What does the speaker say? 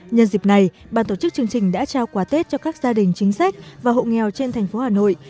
nhân dịp này ban tổ chức chương trình đã trao quà tết cho các gia đình chính sách và hộ nghèo trên thành phố hà nội